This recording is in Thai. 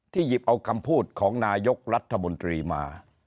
หยิบเอาคำพูดของนายกรัฐมนตรีมา